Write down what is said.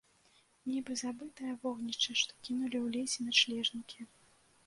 Нібы забытае вогнішча, што кінулі ў лесе начлежнікі.